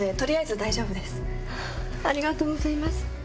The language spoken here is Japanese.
ありがとうございます。